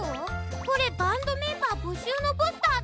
これバンドメンバーぼしゅうのポスターだ。